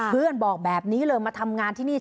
บอกแบบนี้เลยมาทำงานที่นี่